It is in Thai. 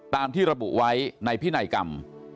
ตามที่ระบุไว้ในพินัยกรรม